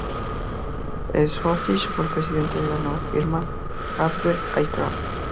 Sopwith fue el presidente de la nueva firma, Hawker Aircraft.